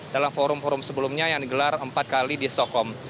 dalam forum forum sebelumnya yang digelar empat kali di sokom